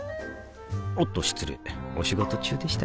おっと失礼お仕事中でしたか